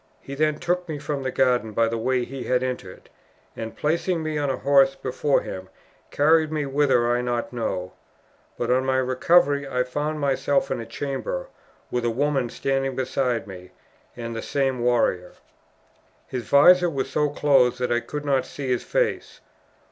He then took me from the garden by the way he had entered, and placing me on a horse before him, carried me whither I know not; but on my recovery I found myself in a chamber, with a woman standing beside me, and the same warrior. His visor was so closed that I could not see his face.